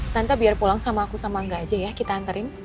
tante biar pulang sama aku sama enggak aja ya kita antarin